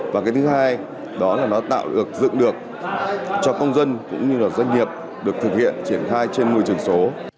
và thứ hai đó là tạo dựng được cho công dân cũng như doanh nghiệp được thực hiện triển khai trên môi trường số